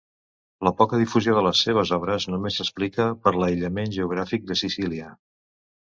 La poca difusió de les seves obres només s'explica per l'aïllament geogràfic de Sicília.